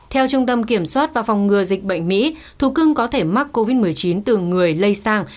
theo trung tâm kiểm soát và phòng ngừa dịch bệnh mỹ thú cưng có thể mắc covid một mươi chín từ người lây sang